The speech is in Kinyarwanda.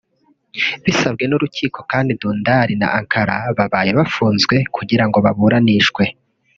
bisabwe n’urukiko Can Dundar na Ankara babaye bafunzwe kugirango ngo baburanishwe